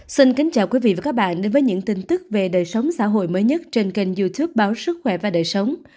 xin kính chào quý vị và các bạn đến với những tin tức về đời sống xã hội mới nhất trên kênh youtube báo sức khỏe và đời sống